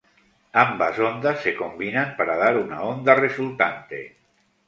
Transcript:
Ambas ondas se combinan para dar una onda resultante.